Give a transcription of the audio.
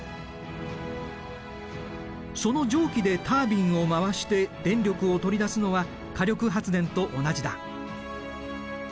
その蒸気でタービンを回して電力を取り出すのは火力発電と同じだ。